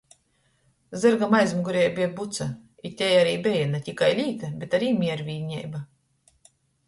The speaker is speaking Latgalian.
Zyrgam aizmugurē beja buca i tei ari beja na tikai līta, bet ari miervīneiba.